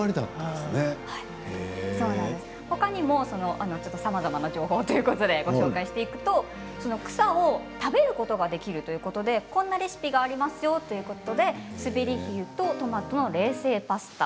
他にもさまざまな情報をご紹介していくと草を食べることができるということで、こんなレシピがありますよということでスベリヒユとトマトの冷製パスタ。